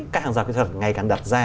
các hàng giáo kỹ thuật ngày càng đặt ra